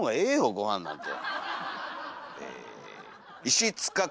ごはんなんて。